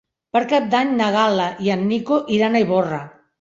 Per Cap d'Any na Gal·la i en Nico iran a Ivorra.